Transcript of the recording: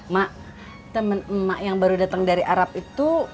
mak temen emak yang baru datang dari arab itu